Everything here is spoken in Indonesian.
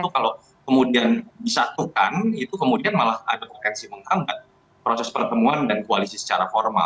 kalau kemudian disatukan itu kemudian malah ada